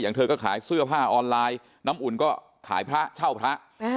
เธอก็ขายเสื้อผ้าออนไลน์น้ำอุ่นก็ขายพระเช่าพระ